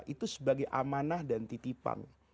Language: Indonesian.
itu sebagai amanah dan titipan